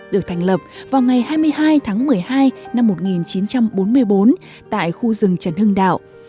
được thành lập vào ngày hai mươi hai tháng một mươi hai năm một nghìn chín trăm bốn mươi bốn tại khu rừng trần hưng đạo